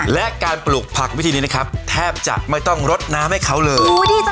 และการปลูกผักวิธีนี้นะครับแทบจะไม่ต้องรดน้ำให้เขาเลย